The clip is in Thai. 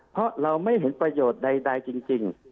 เพราะเราไม่เห็นประโยชน์ใดจริง